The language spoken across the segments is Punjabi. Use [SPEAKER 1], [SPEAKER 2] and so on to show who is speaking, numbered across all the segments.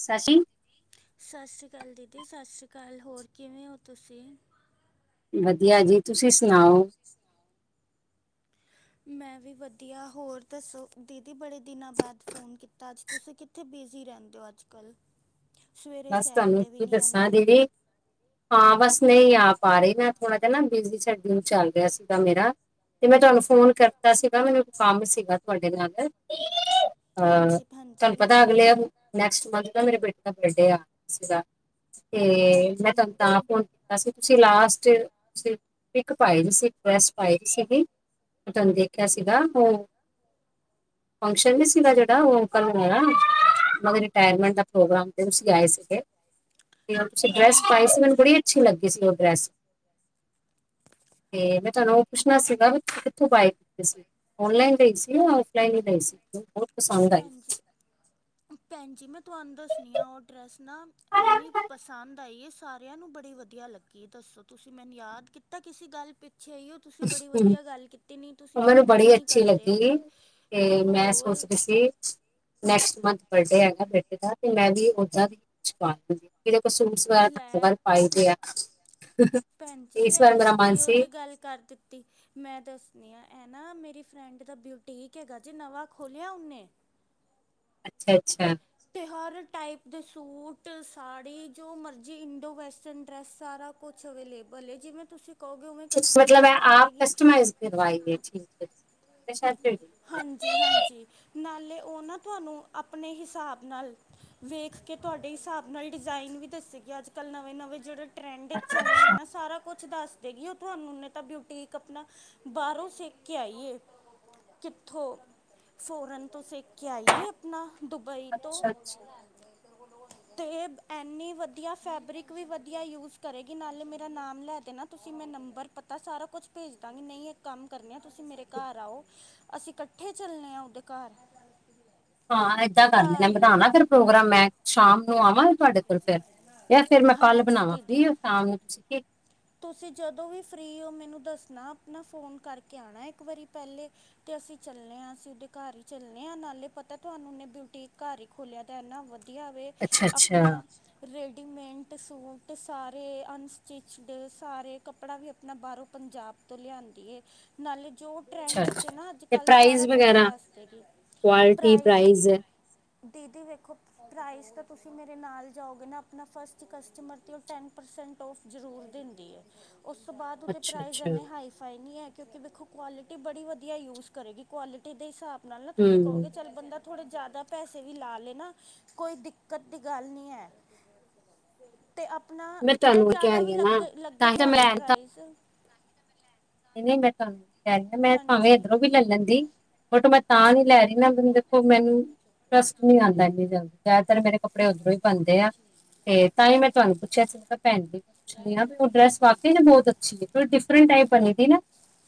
[SPEAKER 1] ਸਸ਼ੀ
[SPEAKER 2] ਸਤਿ ਸ੍ਰੀ ਅਕਾਲ ਦੀਦੀ, ਸਤਿ ਸ੍ਰੀ ਅਕਾਲ। ਕੱਲ੍ਹ, ਹੋਰ ਕਿਵੇਂ ਹੋ ਤੁਸੀਂ?
[SPEAKER 1] ਵਧੀਆ ਜੀ, ਤੁਸੀਂ ਸੁਣਾਓ?
[SPEAKER 2] ਮੈਂ ਵੀ ਵਧੀਆ। ਹੋਰ ਦੱਸੋ ਦੀਦੀ, ਬੜੇ ਦਿਨਾਂ ਬਾਅਦ ਫ਼ੋਨ ਕੀਤਾ ਅੱਜ। ਤੁਸੀਂ ਕਿੱਥੇ ਬਿਜ਼ੀ ਰਹਿੰਦੇ ਹੋ ਅੱਜ ਕੱਲ੍ਹ? ਸਵੇਰੇ
[SPEAKER 1] ਬਸ
[SPEAKER 2] ਸੈਰ
[SPEAKER 1] ਤੁਹਾਨੂੰ
[SPEAKER 2] 'ਤੇ ਵੀ
[SPEAKER 1] ਕੀ
[SPEAKER 2] ਨਹੀਂ
[SPEAKER 1] ਦੱਸਾਂ
[SPEAKER 2] ਆਉਂਦੇ
[SPEAKER 1] ਦੀਦੀ। ਹਾਂ ਬਸ ਨਹੀਂ ਆ ਪਾ ਰਹੀ ਮੈਂ। ਥੋੜਾ ਜ ਨਾ ਬਿਜੀ ਸ਼ਡਿਊਲ ਚੱਲ ਰਿਹਾ ਸੀਗਾ ਮੇਰਾ ਤੇ ਮੈਂ ਤੁਹਾਨੂੰ ਫੋਨ ਕਰਤਾ ਸੀਗਾ। ਮੈਨੁਂ ਕੰਮ ਸੀਗਾ ਤੁਹਾਡੇ ਨਾਲ। ਆ।
[SPEAKER 2] ਹਾਂਜੀ ਹਾਂਜੀ
[SPEAKER 1] ਤੁਹਾਨੂੰ ਪਤਾ ਅਗਲਯਾਂ ਨੂਂ ਨੈਕਸਟ ਮੰਥ ਦਾ ਮੇਰੇ ਬੇਟੇ ਦਾ ਬਰਡੋਆ ਔਹਦਾ। ਤੇ ਮੈਂ
[SPEAKER 2] ਹਾਂਜੀ
[SPEAKER 1] ਤੁਹਾਨੂੰ
[SPEAKER 2] ਹਾਂਜੀ
[SPEAKER 1] ਤਾਂ ਫੋਨ ਕੀਤਾ ਸੀ ਤੁਸੀਂ ਲਾਸਟ ਚ ਤੁਸੀਂ ਇਕ ਪਾਈ ਸੀ ਡਰੈਸ ਪਾਈ ਸੀਗੀ। ਮੈਂ ਤੁਹਾਨੂੰ ਦੇਖਿਆ ਸੀਗਾ। ਔ ਫੰਕਸ਼ਨ ਨਹੀਂ ਸੀਗਾ ਜਿਹੜਾ ਉਹ ਅੰਕਲ [unintelligible] ਉਨਹਾਂਦੀ ਮਤਲਬ ਰਿਟਾਇਰਮੈਂਟ ਦਾ ਪ੍ਰੋਗਰਾਮ ਦਿਨ ਸੀਂ ਆਏ ਸੀਗੇ ਤੇ ਤੁਸ ਡਰੈਸ
[SPEAKER 2] ਹਾਂਜੀ
[SPEAKER 1] ਪਾਈ ਸੀ ਮੈਨੂੰ
[SPEAKER 2] ਹਾਂਜੀ
[SPEAKER 1] ਬੜੀ ਅੱਛੀ ਲੱਗੀ ਸੀ ਉਹ। ਡਰੈਸ। ਤੇ ਮੈਂ ਤੁਹਾਨੂੰ ਉਹ ਪੁੱਛਣਾ ਸੀਗਾ ਵੀ ਕਿੱਥੋਂ ਬਾਏ ਕਿਤੀ ਸੀ? ਓਨਲਾਈਨ ਲਈ ਸੀ ਜਾਂ ਆਫਲਾਈਨ ਹੀ ਲਈ ਸੀ? ਪਸੰਦ ਆਈ
[SPEAKER 2] ਭੈਣਜੀ। ਭੈਣਜੀ ਮੈਂ ਤੁਹਾਨੂੰ ਦੱਸਣੀ ਆ ਉਹ ਡਰੈਸ ਨਾ ਇੰਨੀ ਪਸੰਦ ਆਈ ਹੈ, ਸਾਰਿਆਂ ਨੂੰ ਬੜੀ ਵਧੀਆ ਲੱਗੀ। ਦੱਸੋ ਤੁਸੀਂ ਮੈਨੂੰ ਯਾਦ ਕੀਤਾ ਕਿਸੇ ਗੱਲ ਪ ਅੱਛੇਾ ਅਓ ਤੁਸੀਂ ਬੜੀ ਵਧੀਆ ਗੱਲ ਕੀਤੀ, ਨਹੀਂ ਤੁਸੀਂ
[SPEAKER 1] ਉਹ ਮੈਨੂੰ
[SPEAKER 2] ਫ਼ੋਨ ਵੀ
[SPEAKER 1] ਬੜੀ
[SPEAKER 2] ਨਹੀਂ
[SPEAKER 1] ਅੱਛੀ
[SPEAKER 2] ਕਰਦੇ
[SPEAKER 1] ਲੱਗੀ
[SPEAKER 2] ਹੈਗੇ। ਅਤੇ
[SPEAKER 1] ਤੇ ਮੈਂ
[SPEAKER 2] ਹੋਰ
[SPEAKER 1] ਸੋਚ ਰਹੀ ਸੀ ਨੈਕਸਟ ਮੰਥ ਬਰਡੇ ਹੈਗਾ ਬੇਟੇ ਦਾ ਤੇ ਮੈਂ ਵੀ ਓਦਾਂ ਦੀਛ [unintelligible] ਸੂਟ [unintelligible] ਹੇਰ ਫਾਈਦੇ ਆ ਤੇ
[SPEAKER 2] ਭੈਣਜੀ,
[SPEAKER 1] ਇਸ
[SPEAKER 2] ਆ
[SPEAKER 1] ਵਾਰ ਮੇਰਾ
[SPEAKER 2] ਤੁਸੀਂ
[SPEAKER 1] ਮਨ
[SPEAKER 2] ਕਿਹੋ
[SPEAKER 1] ਸੀ
[SPEAKER 2] ਜਿਹੀ ਗੱਲ ਕਰ ਦੀ? ਤੇ ਮੈਂ ਦੱਸਣੀ ਆਂ। ਇਹ ਨਾ ਮੇਰੀ ਫਰੈਂਡ ਦਾ ਬੁਟੀਕ ਹੈਗਾ ਜੇ, ਨਵਾਂ ਖੋਲਿਆ ਓਨੇ।
[SPEAKER 1] ਅੱਛਾੱ।
[SPEAKER 2] ਤਿਉਹਾਰ ਟਾਈਪ ਦੇ ਸੂਟ ਸਾੜੀ ਜੋ ਮਰਜ਼ੀ ਇੰਡੋ ਵੈਸਟਰਨ ਡਰੈੱਸ ਸਾਰਾ ਕੁਛ ਅਵੇਲੇਬਲ ਹੈ ਜਿਵੇਂ ਤੁਸੀਂ ਕਹੋਗੇ ਉਵੇਂ
[SPEAKER 1] ਮਤਲਬ
[SPEAKER 2] ਕਸਟਮਾਈਜ਼ ਕਰ
[SPEAKER 1] ਆਪ
[SPEAKER 2] ਦੇਗੀ।
[SPEAKER 1] ਕਸਟਮਾਈ ਕਰਵਾਈਏ ਠੀਕ ਜੀ।
[SPEAKER 2] ਹਾਂਜੀ-ਹਾਂਜੀ ਨਾਲੇ ਉਹ ਨਾ ਤੁਹਾਨੂੰ ਆਪਣੇ ਹਿਸਾਬ ਨਾਲ ਵੇਖ ਕੇ ਤੁਹਾਡੇ ਹਿਸਾਬ ਨਾਲ ਡਿਜ਼ਾਇਨ ਵੀ ਦੱਸੇ ਗਿਆ ਅੱਜ ਕੱਲ੍ਹ ਨਵੇਂ ਨਵੇਂ ਜਿਹੜੇ ਟਰੈਂਡ ਚੱਲਣੇ ਨਾ ਸਾਰਾ ਕੁਛ ਦੱਸ ਦੇ ਉਹ ਤੁਹਾਨੂੰ ਤਾਂ ਬਿਊਟੀਕ ਆਪਣਾ ਬਾਹਰੋਂ ਸੇਕ ਕੇ ਆਈਏ ਕਿੱਥੋਂ ਫੋਰਨ ਤੋਂ ਸੇਕ ਕੇ ਆਈਏ ਆਪਣਾ ਦੁਬਈ
[SPEAKER 1] ਅੱਛਾ ਅੱਛਾ।
[SPEAKER 2] ਅਤੇ ਐੰਨੀ ਵਧੀਆ ਫੈਬਰਿਕ ਵੀ ਵਧੀਆ ਯੂਜ ਕਰੇਗੀ ਨਾਲੇ ਮੇਰਾ ਨਾਮ ਲੈ ਦੇਣਾ ਤੁਸੀਂ ਮੈਂ ਨੰਬਰ ਪਤਾ ਸਾਰਾ ਕੁਛ ਭੇਜ ਦਾਂਗੀ ਨਹੀਂ ਇੱਕ ਕੰਮ ਕਰਨੀਆਂ ਤੁਸੀਂ ਮੇਰੇ ਘਰ ਆਓ ਅਸੀਂ ਇਕੱਠੇ ਚੱਲਣੇ ਆਾ ਉਹਦੇ ਘਰ
[SPEAKER 1] ਹਾਂ ਆ ਇਦਾਂ ਕਰ ਲੈਣੇ
[SPEAKER 2] ਘਰ
[SPEAKER 1] ਆ
[SPEAKER 2] ਹੀ
[SPEAKER 1] ਬਣਾਵਾਂ ਫਿਰ ਪ੍ਰੋਗਰਾਮ ਮੈਂ ਸ਼ਾਮ ਤੋਂ ਆਵਾਂ ਤੁਹਾਡੇ ਫਿਰ ਯ ਫੇਰ ਮੈਂ ਕੱਲ
[SPEAKER 2] ਹਾਂਜੀ
[SPEAKER 1] ਬਣਾਵਾਂ ਫ੍ਰੀ
[SPEAKER 2] ਦੀਦੀ
[SPEAKER 1] ਓ ਸ਼ਾਮ ਨੂੰ ਤੁਸੀਂ
[SPEAKER 2] ਤੁਸੀਂ ਜਦੋਂ ਵੀ ਫ੍ਰੀ ਹੋ ਮੈਨੂੰ ਦੱਸਣਾ ਆਪਣਾ ਫੋਨ ਕਰਕੇ ਆਉਣਾ ਇੱਕ ਵਾਰੀ ਪਹਿਲੇ ਤੇ ਅਸੀਂ ਚੱਲੇ ਹ ਅਸੀਂ ਉਹਦੇ ਘਰ ਹੀ ਚੱਲੇ ਆ ਨਾਲੇ ਪਤਾ ਤੁਹਾਨੂੰ ਬਊਟੀਕ ਘਰ ਹੀ ਖੋਲਿਆ ਤੇ ਇਨਾ ਵਧੀਆ ਵੇ
[SPEAKER 1] ਅੱਛਾ ਅੱਛਾ
[SPEAKER 2] ਆਪਣਾ ਰੇਡੀਮੇਟ ਸੂਟ ਸਾਰੇ ਅਨਸਚਿਚ ਸਾਰੇ ਕੱਪੜਾ ਵੀ ਆਪਣਾ ਬਾਹਰੋਂ ਪੰਜਾਬ ਤੋਂ ਲਿਆਂਦੀ ਏ ਨਾਲੇ ਜੋ
[SPEAKER 1] ਅੱਛਾ
[SPEAKER 2] ਟਰੈਂਡ
[SPEAKER 1] ਅੱਛਾ।
[SPEAKER 2] ਵਿਚ ਨਾ ਅੱਜ
[SPEAKER 1] ਤੇ
[SPEAKER 2] ਕੱਲ
[SPEAKER 1] ਪ੍ਰਾਈਜ਼
[SPEAKER 2] ਸਾਰਾ ਕੁਛ
[SPEAKER 1] ਵਗੈਰਾ
[SPEAKER 2] ਦੱਸ ਦੇ ਪ੍ਰਾਈਜ਼ ਦੀਦੀ ਵੇਖੋ ਪ੍ਰਾਈਜ਼ ਤਾਂ ਤੁਸੀਂ ਕਿਸੀ ਮੇਰੇ ਨਾਲ ਜਾਓਗੇ ਨਾ ਆਪਣਾ ਫਸਟ ਕਸਟਮਰ ਤੇ ਉਹ ਟੈਨ ਪਰਸੈਂਟ ਔਫ ਜ਼ਰੂਰ ਦਿੰਦੀ ਹੈ। ਉਸ ਤੋਂ ਬਾਅਦ ਉਹਦੇ
[SPEAKER 1] ਅੱਛਾ
[SPEAKER 2] ਪ੍ਰਾਈਜ਼
[SPEAKER 1] ਅੱਛਾ
[SPEAKER 2] ਇੰਨੇ ਹਾਈ ਫਾਈ ਨਹੀਂ ਹੈਗੇ। ਕਿਉਂਕਿ ਵੇਖੋ ਕੁਆਲਿਟੀ ਬੜੀ ਵਧੀਆ ਯੂਜ਼ ਕਰੇਗੀ ਕੁਆਲਿਟੀ ਦੇ ਹਿਸਾਬ ਨਾਲ ਨਾ ਤੁਸੀਂ ਕਹੋਗੇ
[SPEAKER 1] ਹੂੰ
[SPEAKER 2] ਚੱਲ ਬੰਦਾ ਥੋੜੇ ਜਿਆਦਾ ਪੈਸੇ ਵੀ ਲਾ ਲਏ ਨਾ ਕੋਈ ਦਿੱਕਤ ਦੀ ਗੱਲ ਨੀ ਹੈ। ਤੇ ਆਪਣਾ
[SPEAKER 1] ਮੈਂ
[SPEAKER 2] ਚਾਹੇ
[SPEAKER 1] ਤੁਹਾਨੂੰ ਉਹੀ ਕਹਿ
[SPEAKER 2] ਜ਼ਿਆਦਾ
[SPEAKER 1] ਰਹੀ
[SPEAKER 2] ਵੀ
[SPEAKER 1] ਹਾਂ
[SPEAKER 2] ਲੱਗ
[SPEAKER 1] ਨਾ
[SPEAKER 2] ਲੱਗੇ
[SPEAKER 1] ਤਾਂ ਹੀ ਤਾਂ
[SPEAKER 2] ਤੁਹਾਨੂੰ ਪ੍ਰਾਈਜ਼
[SPEAKER 1] ਨੀ ਨੀ ਮੈਂ ਤੁਹਾਨੂੰ ਕਹਿ ਮੈਂ ਭਾਵੇਂ
[SPEAKER 2] ਹਾਂਜੀ
[SPEAKER 1] ਇੱਧਰੋਂ ਵੀ ਲੈ ਲੈਂਦੀ ਬਟ ਮੈਂ ਤਾਂ ਨੀ ਲੈ ਰਹੀ ਨਾ ਦੇਖੋ ਮੈਨੂੰ ਟੱਸਟ ਨਹੀਂ ਆਉਂਦਾ ਇੰਨੀ ਜਲਦੀ ਜ਼ਿਆਦਾਤਰ ਮੇਰੇ ਕੱਪੜੇ ਉੱਰੋਂ ਹੀ ਪਂਦੇ ਆ ਤੇ ਤਾਂ ਹੀ ਮੈਂ ਤੁਹਾਨੂੰ ਪੁੱਛਿਆ ਸੀਗਾ ਭੈਣ ਨੂੰ ਪੁਛਦੀ ਹਾ ਉਹ ਡਰੈਸ ਵਾਕਈ ਬਹੁਤ ਅੱਛੀ ਪ੍ਰਿੰਟ ਟਾਈਪ ਵਾਲੇ ਨਾ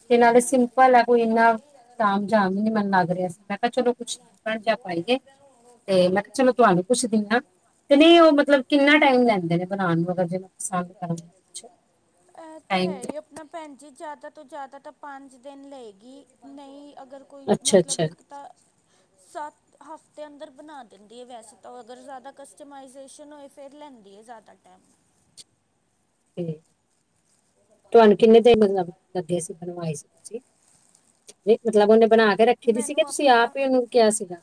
[SPEAKER 1] ਤੇ ਨਾਲੇ ਸਿੰਪਲ ਹੈ ਕੋਈ ਇੰਨਾ ਤਾਮ ਜਾਮ ਹੀ ਨੀ ਮਨ ਲੱਗ ਰਿਹਾ ਸੀ ਮੈਂ ਕਿਹਾ ਚਲੋ ਕੁਛ ਡਿਫਰਟ ਜਾ ਪਾਈਏ। ਤੇ ਮੈਂ ਕਿਹਾ- ਚਲੋ ਤੁਹਾਨੂੰ ਪੁੱਛਦਾ ਹੈ ਤੇ ਨਹੀਂ ਉਹ ਮਤਲਬ ਕਿੰਨਾ ਟਾਈਮ ਲੈਂਦੇ ਨੇ ਬਣਾਉਣ ਨੂੰ ਅਗਰ ਜੇ ਮੈਂ ਪਸੰਦ ਕਰ
[SPEAKER 2] ਇਹ ਤਾਂ ਹੈ ਹੀ ਆਪਣਾ ਭੈਣ ਜੀ ਜ਼ਿਆਦਾ ਤੋਂ ਜ਼ਿਆਦਾ ਤਾਂ ਪੰਜ ਦਿਨ ਲਏਗੀ। ਨਹੀਂ ਅਗਰ ਕੋਈ
[SPEAKER 1] ਅੱਛਾ
[SPEAKER 2] ਮਤਲਬ
[SPEAKER 1] ਅੱਛਾ
[SPEAKER 2] ਇੱਕ ਤਾਂ, ਸੱਤ ਹਫ ਅੰਦਰ ਬਣਾ ਦਿੰਦੀ ਹੈ। ਵੈਸੇ ਤਾਂ ਅਗਰ ਜ਼ਿਆਦਾ ਕਸਟਮ ਹੋ ਫਰ ਲੈਂਦੀ ਆ। ਜ਼ਿਆਦਾ ਟਾਈਮ
[SPEAKER 1] ਤੁਹਾਨੂੰ ਕਿੰਨੇ ਦੇਰ ਮਤਲਬ ਲੱਗੇ ਸੀਏ ਸੀ। ਤੁਸੀਂ ਮਤਲਬ ਉਹਨੇ ਬਣਾ ਕੇ ਰੱਖੀ ਦੀ ਸੀਗੀ
[SPEAKER 2] ਮੈਨੂੰ
[SPEAKER 1] ਤੁਸੀਂ
[SPEAKER 2] ਆਪਣਾ
[SPEAKER 1] ਆਪ ਹੀ ਉਹਨੂੰ ਕਿਹਾ ਸੀਗਾ।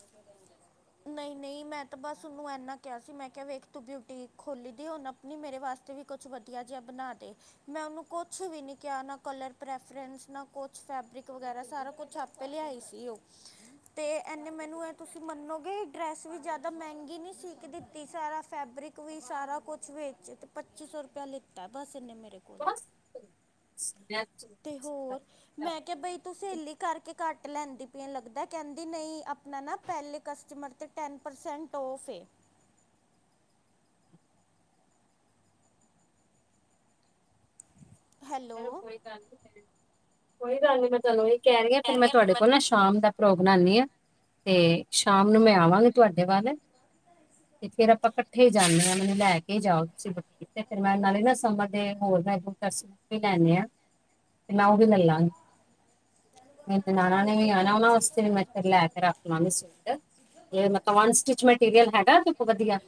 [SPEAKER 2] ਨਹੀਂ ਨਹੀਂ ਮੈਂ ਤਾਂ ਬਸ ਉਹਨੂੰ ਇਨਾ ਕਿਹਾ ਸੀ ਮੈਂ ਕਿਹਾ ਵੇਖ ਤੂੰ ਬਿਊਟੀਕ ਖੋਲੀ ਦੀ ਉਹਨ ਆਪਣੀ ਮੇਰੇ ਵਾਸਤੇ ਵੀ ਕੁਛ ਵਧੀਆ ਜਿਹਾ ਬਣਾ ਦੇ ਮੈਂ ਉਹਨੂੰ ਕੁਛ ਵੀ ਨੀ ਕਿਹਾ ਨਾ ਕਲਰ ਪ੍ਰੈਫਰੈਂਸ ਨਾ ਕੁਛ ਫੈਬਰਿਕ ਵਗੈਰਾ ਸਾਰਾ ਕੁਛ ਆਪੇ ਲਿਆਈ। ਤੇ ਇਹਨੇ ਮੈਨੂੰ ਇਹ ਤੁਸੀਂ ਮੰਨੋਗੇ ਡਰੈਸ ਵੀ ਜਿਆਦਾ ਮਹਿੰਗੀ ਨੀ ਸੀਕ ਦਿੱਤੀ। ਸਾਰਾ ਫੈਬਰਿਕ ਵੀ ਸਾਰਾ ਕੁਛ ਵ ਤੇ ਪੱਚੀ ਸੌ ਰੁਪਆ ਲਿੱਤਾ। ਬਸ ਇਹਨੇ ਮੈਨੂੰ ਕੋਲ
[SPEAKER 1] ਬਸ ਮੈਂ
[SPEAKER 2] ਤੇ ਹੋਰ ਮੈਂ ਕਿਹਾ, ਬਈ ਤੂੰ ਸਹੇਲੀ ਕਰਕੇ ਘੱਟ ਲੈਂਦੀ ਪੀ ਲੱਗਦਾ ਕਹਿੰਦੀ ਨਹੀਂ, ਆਪਣਾ ਨਾ ਪਹਿਲੇ ਕਸਟਮਰ ਤੇ ਟੈਨ ਪਰਸੈਂਟ ਫ
[SPEAKER 1] ਚਲੋ,
[SPEAKER 2] ਹੈਲੋ
[SPEAKER 1] ਕੋਈ ਗੱਲ ਨੀ ਹੈ। ਕੋਈ ਗੱਲ ਨੀ। ਮੈਂ ਚਲੋ ਕਹਿ ਰਹੀ ਫਿਰ ਮੈਂ ਤੁਹਾਡੇ ਕੋਲ ਨਾ ਸ਼ਾਮ ਦਾ ਪ੍ਰੋਗ ਬਣਾਉਂਦੀ ਹਾਂ। ਤੇ ਸ਼ਾਮ ਨੂੰ ਮੈਂ ਆਵਾਂਗੀ। ਤੁਹਾਡੇ ਵੱਲ ਤੇ ਫੇਰ ਆਪਾਂ ਇਕੱਠੇ ਜਾਂਦੇ ਹਾਂ ਮੈਨੂੰ ਲੈ ਕੇ ਜਾਓ। ਤੁਸੀਂ ਵ ਤ ਮੈਂ ਨਾਲ -ਨਾਲ ਸਬ ਦੇ ਹੈ। ਹੋਦਾ ਬਤਸ [unintelligible] ਵੀ ਲੈਣੇ ਆ। ਤੇ ਮੈਂ ਉਹ ਵੀ ਲੈ ਲਾਂਗੀ। ਨਨਣਾ ਨੇ
[SPEAKER 2] ਠੀਕ
[SPEAKER 1] ਵੀ
[SPEAKER 2] ਹੈ
[SPEAKER 1] ਆਣਾ।
[SPEAKER 2] ਭੈਣ
[SPEAKER 1] ਉਹਨਾਂ ਦੇ
[SPEAKER 2] ਜੀ
[SPEAKER 1] ਵਾਸਤੇ ਮੇ ਰੱਖ ਲੈਂਵਾ ਸੂਟ ਤੇ ਅਣ ਸੀਟੀਚ ਸੂਟ ਤੇ ਮਤਲਬਨ ਸਟਿਚ ਮਟੀਰੀਅਲ ਹੈਗਾ ਦੇਖੋ ਵਧੀਆ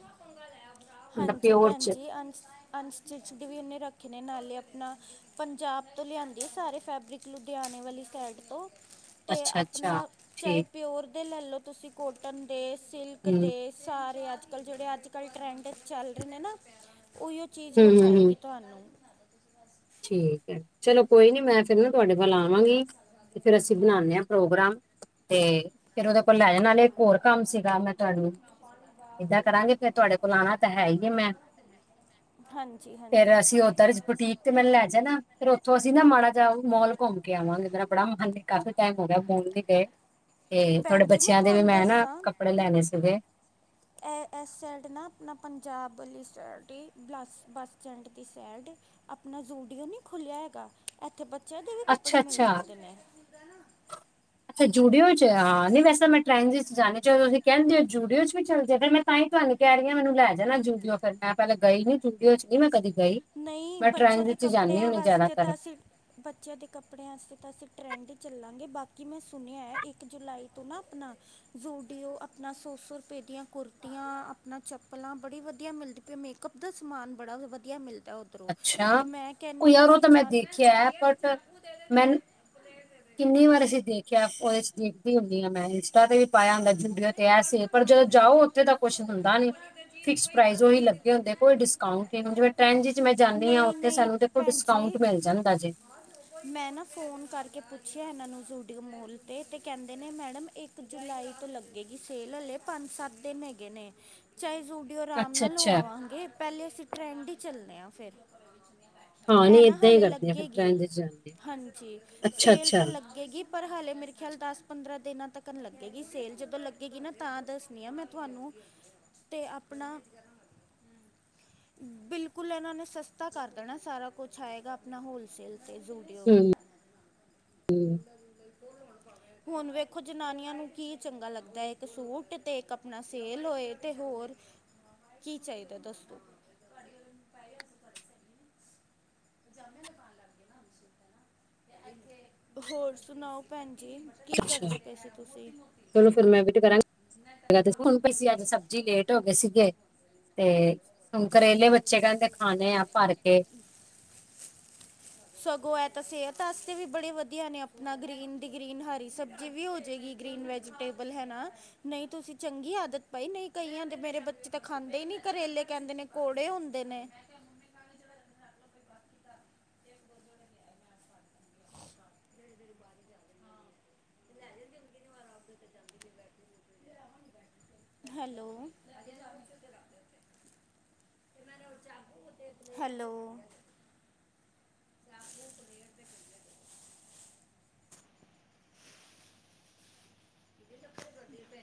[SPEAKER 1] ਮਤਲਬ
[SPEAKER 2] ਹਾਂਜੀ
[SPEAKER 1] ਪਿਓਰ
[SPEAKER 2] ਭੈਣ
[SPEAKER 1] ਚ
[SPEAKER 2] ਜੀ ਅਨਸ ਅਨਸਟਿਚਡ ਵੀ ਉਹਨੇ ਰੱਖੇ ਨੇ ਨਾਲੇ ਆਪਣਾ ਪੰਜਾਬ ਤੋਂ ਲਿਆਂਂਦੀ ਹੈ। ਸਾਰੇ ਫੈਬਰਿਕ ਲੁਧਿਆਣੇ ਵਾਲੀ ਸਾਈਡ ਤੋਂ ਅਤੇ
[SPEAKER 1] ਅੱਛਾ ਅੱਛਾ
[SPEAKER 2] ਆਪਣਾ ਚਾਹੇ
[SPEAKER 1] ਠੀਕ
[SPEAKER 2] ਪਿਓਰ ਦੇ ਲੈ ਲਓ। ਤੁਸੀਂ ਕੋਟਨ ਦੇ, ਸਿਲਕ
[SPEAKER 1] ਹੂੰ
[SPEAKER 2] ਦੇ ਸਾਰੇ ਅੱਜ- ਕਲ ਜਿਹੜੇ ਅੱਜ -ਕੱਲ੍ਹ ਟਰੈਂਡ ਚੱਲ ਰਹੇ ਨੇ ਨਾ ਉਹੀ ਉਹ ਚੀਜ਼
[SPEAKER 1] ਹੂੰ ਹੂੰ ਹੂੰ,
[SPEAKER 2] ਵਿਖਾਏਗੀ। ਤੁਹਾਨੂੰ
[SPEAKER 1] ਠੀਕ ਹੈ। ਚਲੋ ਕੋਈ ਨੀ ਮੈਂ ਫਿਰ ਨਾ ਤੁਹਾਡੇ ਕੋਲ ਆਵਾਂਗੀ। ਤੇ ਫਿਰ ਅਸੀਂ ਬਣਾਦੇ ਹਾਂ ਪ੍ਰੋਗਰਾਮ ਤੇ, ਫਿਰ ਉਹਦੇ ਕੋਲ ਲੈ ਜਾਣ ਵਾਲੇ ਇੱਕ ਹੋਰ ਕੰਮ ਸੀ। ਮੈਂ ਤੁਹਾਨੂੰ ਏਦਾਂ ਕਰਾਂਗੇ। ਫੇਰ ਤੁਹਾਡੇ ਕੋਲ ਆਉਣਾ ਤਾਂ ਹੈ ਹੀ ਕਿ ਮੈ
[SPEAKER 2] ਹਾਂਜੀ- ਹਾਂਜੀ।
[SPEAKER 1] ਤੁਸੀਂ ਮੈਨੂੰ ਲੈ ਜਾਣਾ। ਉੱਥੋਂ ਅਸੀਂ ਨਾ ਮਾੜਾ ਜਿਹਾ ਮੋਲ ਘੁੰਮ ਕੇ ਆਵਾਂਗੇ। ਮੇਰਾ ਬੜਾ ਮਨ ਹੈ ਕਾਫੀ ਕ ਮ ਮੋਲ ਨ ਗਏ। ਤੇ ਤੁਹਾਡੇ
[SPEAKER 2] ਭੈਣਜੀ, ਮੈਂ
[SPEAKER 1] ਬੱਚਿਆਂ ਦੇ ਵੀ
[SPEAKER 2] ਤੁਹਾਨੂੰ
[SPEAKER 1] ਮੈਂ ਨਾ
[SPEAKER 2] ਦੱਸਾਂ
[SPEAKER 1] ਕੱਪੜੇ ਲੈਣੇ ਸੀਗੇ
[SPEAKER 2] ਐ ਸਾਇਡ ਨਾ ਆਪਣਾ ਪੰਜਾਬ ਬੱਸ- ਬੱਸ ਸਟੈਂਡ ਦੀ ਸਾਈਡ ਆਪਣਾ ਜ਼ੂਡੀਓ ਨ ਖੁੱਲਿਆ ਹੈਗਾ। ਇੱਥੇ ਬੱਚਿਆਂ ਦੇ ਵੀ ਕੱਪੜੇ
[SPEAKER 1] ਅੱਛਾ
[SPEAKER 2] ਮਿਲ
[SPEAKER 1] ਅੱਛਾ
[SPEAKER 2] ਜਾਂਦੇ ਨੇ
[SPEAKER 1] ਅੱਛਾ। ਜੂਡੀਓ ਚ ਹਾਂ, ਨਹੀਂ ਵੈਸੇ ਮੈਂ ਟ੍ਰੇਨ ਚ ਜਾਣੇ ਚਾਹ ਤੁਸੀਂ ਕਹਿੰਦੇ ਹੋ ਜੂਡੀਓ ਚ ਵੀ ਚੱਲ ਜਾ ਫਿਰ ਮੈਂ ਤਾਂ ਹੀ ਤੁਹਾਨੂੰ ਕਹਿ ਰਹੀ ਹਾਂ। ਮੈਨੂੰ ਲੈ ਜਾਣਾ ਜੂਡੀਓ ਫਿਰ ਮੈਂ ਪਹਿਲ ਗਈ ਨੀ ਜੂਡੀਓ ਚ ਨੀ ਮੈਂ ਕਦੀ ਗਈ
[SPEAKER 2] ਨਹੀਂ,
[SPEAKER 1] ਮੈਂ
[SPEAKER 2] ਬੱਚਿਆਂ ਦੇ
[SPEAKER 1] ਟ੍ਰੈਂਡਸ ਚ ਜਾਂਦੀ
[SPEAKER 2] ਕੱਪੜਿਆਂ
[SPEAKER 1] ਹੁੰਦੀ
[SPEAKER 2] ਵਾਸਤੇ
[SPEAKER 1] ਜ਼ਿਆਦਾਤਰ
[SPEAKER 2] ਤਾਂ ਅਸੀਂ ਬੱਚਿਆਂ ਦੇ ਕੱਪੜਿਆਂ ਵਾਸਤੇ ਤਾਂ ਅਸੀਂ ਟਰੈਂਡ ਹੀ ਚੱਲਾਂ। ਬਾਕੀ ਮੈਂ ਸੁਣਿਆ ਹੈ ਇੱਕ ਜੁਲਾਈ ਤੋਂ ਨਾ ਆਪਣਾ ਜ਼ੂਡੀਓ ਆਪਣਾ ਸੋ -ਸੌ ਰੁਪਏ ਦੀਆਂ ਕੁੁਰਤੀਆਂ ਆਪਣਾ ਚੱਪਲਾਂ ਬੜੀ ਵਧੀਆ ਮਿਲਦੀ ਪਈ ਮੇਕਅਪ ਦਾ ਸਮਾਨ ਬੜਾ ਵਧੀਆ ਮਿਲਦਾ। ਓਧਰੋਂ
[SPEAKER 1] ਅੱਛਾ,
[SPEAKER 2] ਤੇ ਮੈਂ
[SPEAKER 1] ਉਹ
[SPEAKER 2] ਕਹਿੰਨੀ ਹ ਅ
[SPEAKER 1] ਯਾਰ ਉਹ ਤਾਂ ਮੈਂ ਦੇਖਿਆ ਹੈ ਬਟ ਮੈਂ ਕਿੰਨੀ ਵਾਰ ਅਸੀਂ ਦੇਖਿਆ ਉਹਦੇ ਦੇਖਦੀ ਹੁੰਦੀ ਹਾਂ ਮੈਂ ਇੰਸਟਾ ਤੇ ਵੀ ਪਾਇਆ ਹ ਡੀਓ ਤੇ ਐ ਸੀ ਪਰ ਜਦੋਂ ਜਾਓ ਉੱਥੇ ਤਾਂ ਕੁਛ ਹੁੰਦਾ ਨੀ। ਫਿਕਸ ਪ੍ਰਾਈਸ ਉਹੀ ਲੱਗੇ ਹੁੰਦੇ ਕੋਈ ਡਿਸਕਾਊਂਟ ਹੀ ਹੁਣ ਜਿਵੇਂ ਟ੍ਰੈਂਡ ਮੈਂ ਜਾਂਦੀ ਹਾਂ
[SPEAKER 2] ਨਹੀਂ
[SPEAKER 1] ਉੱਥੇ
[SPEAKER 2] ਨਹੀਂ
[SPEAKER 1] ਸਾਨੂੰ ਦੇਖੋ
[SPEAKER 2] ਭੈਣ
[SPEAKER 1] ਡਿਸਕਾਊਂਟ
[SPEAKER 2] ਜੀ
[SPEAKER 1] ਮਿਲ ਜਾਂਦਾ ਜੇ।
[SPEAKER 2] ਮੈਂ ਨਾ ਫੋਨ ਕਰਕੇ ਪੁੱਛਿਆ ਇਹਨਾਂ ਨੂੰ ਡੀ ਮੋਲ ਤੇ ਤੇ ਕਹਿੰਦੇ ਨੇ ਮੈਡਮ ਇੱਕ ਜੁਲਾਈ ਤੋਂ ਲੱ ਏਹ ਸੇਲ ਹਲੇ ਪੰਜ -ਸੱਤ ਦਿਨ ਹੈਗੇ ਨੇ ਚ ਸਟੂਡੀਓ ਆਰਾਮ
[SPEAKER 1] ਅੱਛਾ
[SPEAKER 2] ਨਾਲ
[SPEAKER 1] ਅੱਛਾ
[SPEAKER 2] ਲਵਾਵਾਂਗੇ ਪਹਿਲੇ ਅਸੀਂ ਟਰੈਂਡ ਚੱਲ ਆ ਫਿਰ
[SPEAKER 1] ਹਾਂ
[SPEAKER 2] ਇਹ
[SPEAKER 1] ਨਹੀਂ
[SPEAKER 2] ਨਾ
[SPEAKER 1] ਏਦਾਂ ਹੀ
[SPEAKER 2] ਹਾਲੇ
[SPEAKER 1] ਕਰਦੇ ਆ ਫਿਰ
[SPEAKER 2] ਲੱਗੇਗੀ।
[SPEAKER 1] ਟਰੈਂਡ ਚ ਜਾਂਦੇ ਆ।
[SPEAKER 2] ਹਾਂਜੀ,
[SPEAKER 1] ਅੱਛਾ
[SPEAKER 2] ਸੇਲ
[SPEAKER 1] ਅੱਛਾ
[SPEAKER 2] ਤਾਂ ਲੱਗੇਗੀ। ਪਰ ਹਾਲੇ ਮੇਰੇ ਖਿਆਲ ਦਸ -ਪੰਦਰਾਂ ਦਿਨਾਂ ਤੱਕ ਲੱਗੇਗੀ ਸੇਲ ਜਦ ਲੱਗੇਗੀ ਨਾ ਤਾਂ ਦੱਸਣੀ ਆ ਮੈਂ ਤੁਹਾਨੂੰ, ਤੇ ਆਪਣਾ ਬਿਲਕੁਲ ਇਹਨਾਂ ਨੇ ਸਸਤਾ ਕਰ ਦੇਣਾ ਸਾਰਾ ਕੁਛ ਆਏਗਾ ਆਪਣਾ ਹੋਲਸੇਲ ਅਤੇ ਯੂਡੀਓ
[SPEAKER 1] ਹੂੰ
[SPEAKER 2] ਵੀ
[SPEAKER 1] ਹੂੰ
[SPEAKER 2] ਹੁਣ ਵੇਖੋ ਜਨਾਨੀਆਂ ਨੂੰ ਕੀ ਚੰਗਾ ਲੱਗਾ। ਦਾ ਇੱਕ ਸੂਟ ਤੇ ਇੱਕ ਆਪਣਾ ਸੇਲ ਹੋਏ ਅਤੇ ਹੋਰ ਕੀ ਚਾਹੀਦਾ ਦੋੱਸ ਤੋ ਜਾਮੇ ਲ ਪਾਉਣ ਲੱਗ ਗਏ ਨਾ ਹਸ਼ਤ ਨਾ [inaudible] ਹੋਰ ਸੁਣਾਓ, ਭੈਣ ਜੀ ਕੀ
[SPEAKER 1] ਅੱਛਾ।
[SPEAKER 2] ਕਰਦੇ ਪਏ ਸੀ ਤੁਸੀਂ
[SPEAKER 1] ਚਲੋ ਫਿਰ ਮੈਂ ਵੀ ਕਰਾਂ ਹੁਣ ਪ ਅੱਜ ਸਬਜ਼ੀ ਲੇਟ ਹੋ ਗਏ ਸੀਗੇ। ਤੇ ਹੁ ਕਰੇਲੇ ਬੱਚੇ ਜਿਨ੍ਹਾਂ ਨੇ ਖਾਣੇ ਆ ਭਰ ਕੇ
[SPEAKER 2] ਸਗੋਂ ਐ ਤਾਂ ਸਿਹਤ ਵਾਸਤੇ ਵੀ ਬੜੇ ਵਧੀਆ ਨੇ ਆਪਣਾ ਗ੍ਰੀਨ ਦੀ ਗ੍ਰੀਨ ਹਰੀ ਸਬਜ਼ੀ ਵੀ ਹੋ ਜਾਏਗੀ ਗ੍ਰਨ ਵੈਜੀਟੇਬਲ ਹੈ ਨਾ ਨਹੀਂ ਤੁਸੀਂ ਚੰਗੀ ਆਦਤ ਪਾਈ ਨਹੀਂ ਕਈਆਂ ਦੇ ਮੇਰੇ ਬੱਚੇ ਤਾਂ ਖਾਂਦੇ ਨੀ ਕਰੇਲੇ ਕਹਿੰਦੇ ਨੇ ਕੜੇ ਹੁੰਦੇ ਨੇ ਹੈਲੋ ਹੈਲੋ